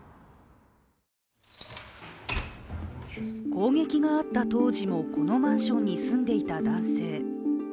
攻撃があった当時もこのマンションに住んでいた男性。